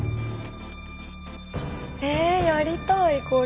えやりたいこれ。